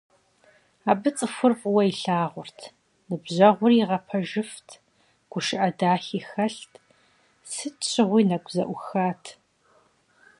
Абы цӏыхур фӏыуэ илъагъурт, ныбжьэгъури игъэпэжыфт, гушыӏэ дахи хэлът, сыт щыгъуи нэгу зэӏухат.